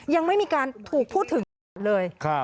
ยังไม่มีการถูกพูดถึงกลับเลย